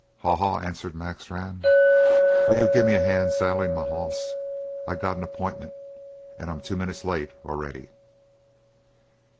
"Haw Haw," answered Mac Strann, "Will you gimme a hand saddlin' my hoss? I got an appointment, an' I'm two minutes late already."